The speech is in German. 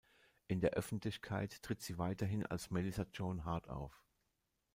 In der Öffentlichkeit tritt sie weiterhin als Melissa Joan Hart auf.